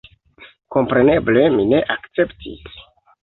Kompreneble mi ne akceptis.